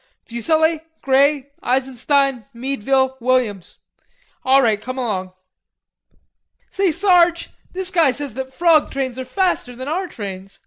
"Fuselli, Grey, Eisenstein, Meadville, Williams... all right, come along." "Say, Sarge, this guy says that frog trains are faster than our trains.